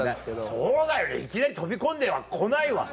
そうだよねいきなり飛び込んでは来ないわね。